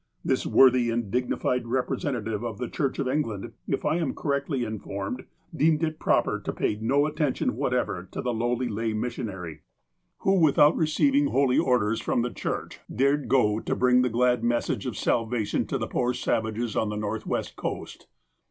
This worthy and dignified representa tive of the Church of England, if I am correctly in formed, deemed it proper to pay no attention whatever to the lowly lay missionary, who, without receiving "holy 42 THE APOSTLE OF ALASKA orders" from the Church, dared go to bring the glad message of salvation to the jDoor savages on the Northwest coast.